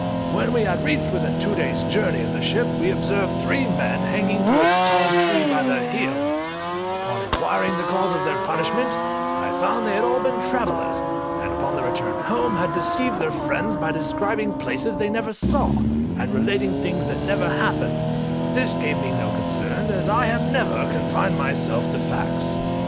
When we had reached within two days' journey of the ship we observed three men hanging to a tall tree by their heels; upon inquiring the cause of their punishment, I found they had all been travellers, and upon their return home had deceived their friends by describing places they never saw, and relating things that never happened: this gave me no concern, as I have ever confined myself to facts.